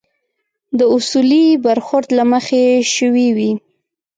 د اصولي برخورد له مخې شوي وي.